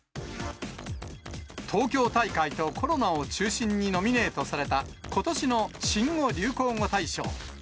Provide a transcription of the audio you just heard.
東京大会とコロナを中心にノミネートされたことしの新語・流行語大賞。